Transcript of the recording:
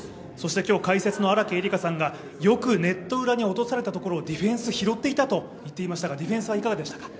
今日解説の荒木絵里香さんがよくネット裏に落とされたところをディフェンス、拾っていたと言っていましたがディフェンスはいかがでしたか？